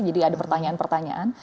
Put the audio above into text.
jadi ada pertanyaan pertanyaan